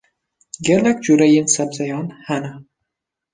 Gelek cureyên sebzeyan hene.